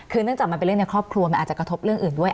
คือเนื่องจากมันเป็นเรื่องในครอบครัวมันอาจจะกระทบเรื่องอื่นด้วย